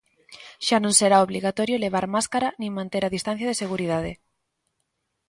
Xa non será obrigatorio levar máscara nin manter a distancia de seguridade.